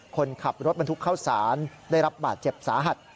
คนขับรถบรรทุกเข้าสารได้รับบาดเจ็บสาหัส